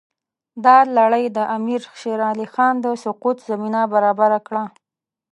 دا لړۍ د امیر شېر علي خان د سقوط زمینه برابره کړه.